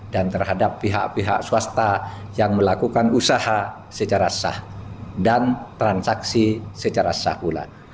dan terhadap pihak pihak swasta yang melakukan usaha secara sah dan transaksi secara sah pula